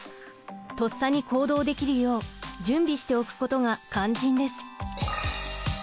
とっさに行動できるよう準備しておくことが肝心です。